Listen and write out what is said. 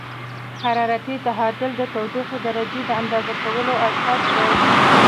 حرارتي تعادل د تودوخې درجې د اندازه کولو اساس دی.